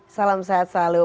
salam sehat selalu